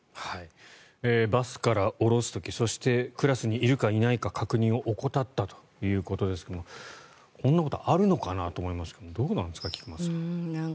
バスから降ろす時そして、クラスにいるかいないか確認を怠ったということですがこんなことあるのかなと思いますけどどうですか、菊間さん。